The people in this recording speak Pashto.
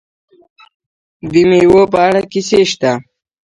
د میوو په اړه کیسې شته.